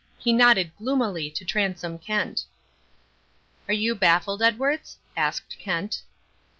He nodded gloomily to Transome Kent. "Are you baffled, Edwards?" asked Kent.